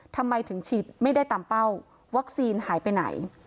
ทำไมถึงฉีดไม่ได้ตามเป้าวัคซีนหายไปไหน